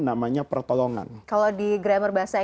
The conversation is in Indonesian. kalau iyan suru menolong sekarang dan di masa yang akan datang